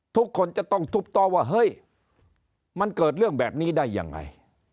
ทุกคนจะต้องทุบต่อว่าเฮ้ยมันเกิดเรื่องแบบนี้ได้ยังไง